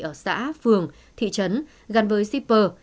ở xã phường thị trấn gần với shipper